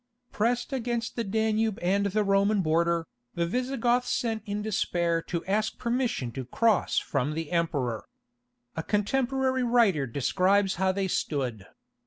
Pressed against the Danube and the Roman border, the Visigoths sent in despair to ask permission to cross from the Emperor. A contemporary writer describes how they stood.